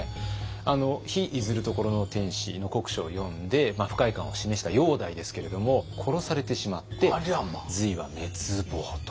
「日出ずる処の天子」の国書を読んで不快感を示した煬帝ですけれども殺されてしまって隋は滅亡と。